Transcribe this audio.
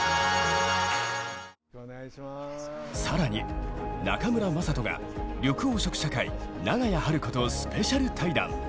さらに中村正人が緑黄色社会長屋晴子とスペシャル対談。